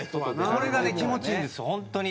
これがね気持ちいいんです本当に。